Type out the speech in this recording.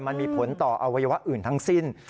มันมีผลต่ออวัยวะอื่นทั้งสิ้น